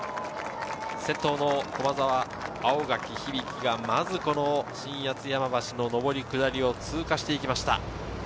先頭の駒澤・青柿響がまず新八ツ山橋の上り下りを通過していきました。